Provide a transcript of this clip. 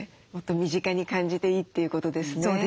もっと身近に感じていいということですね。